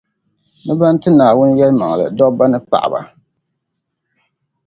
ni ban ti Naawuni yɛlimaŋli dobba ni paɣaba